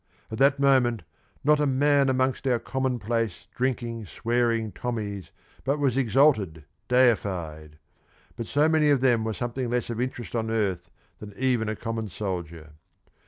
At that moment not a man amongst our common place, drinking, swearing Tommies but was exalted, deified but so many of them were something less of interest on earth than even a common soldier.